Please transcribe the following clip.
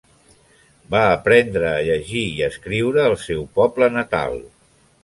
Va aprendre a llegir i a escriure al seu poble natal.